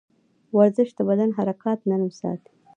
ورزش د بدن حرکات نرم ساتي.